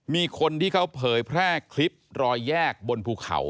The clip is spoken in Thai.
มีคนที่เขาเผยแพร่คลิปรอยแยกบนภูเขา